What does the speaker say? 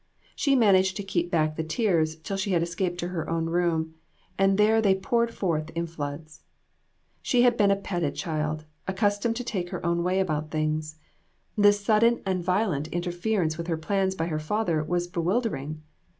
She managed to keep back the tears till she had escaped to her own room, and there they poured forth in floods. She had been a petted child, accustomed to take her own way about things. This sudden and violent interfer ence with her plans by her father was bewil dering.